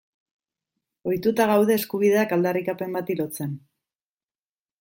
Ohituta gaude eskubideak aldarrikapen bati lotzen.